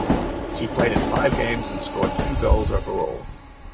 She played in five games and scored two goals overall.